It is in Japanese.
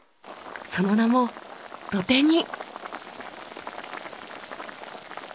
その名もどて煮。